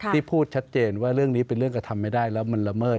พูดชัดเจนว่าเรื่องนี้เป็นเรื่องกระทำไม่ได้แล้วมันละเมิด